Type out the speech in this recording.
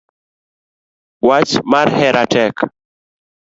Wach mar hera tek